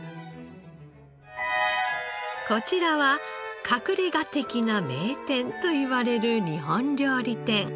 こちらは隠れ家的な名店といわれる日本料理店。